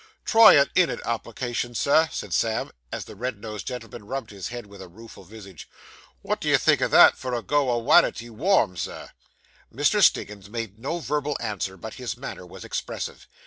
'Try an in'ard application, sir,' said Sam, as the red nosed gentleman rubbed his head with a rueful visage. 'Wot do you think o' that, for a go o' wanity, warm, Sir?' Mr. Stiggins made no verbal answer, but his manner was expressive.